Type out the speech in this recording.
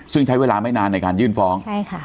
ซึ่งใช้เวลาไม่นานในการยื่นฟ้องใช่ค่ะ